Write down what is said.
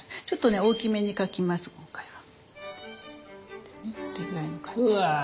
ちょっとね大きめに描きます今回は。